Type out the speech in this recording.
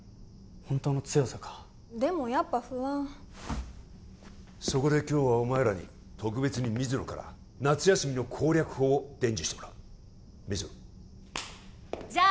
本当の強さかでもやっぱ不安そこで今日はお前らに特別に水野から夏休みの攻略法を伝授してもらう水野じゃあ